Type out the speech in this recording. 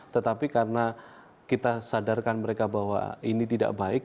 tetapi karena kita sadarkan mereka bahwa ini tidak baik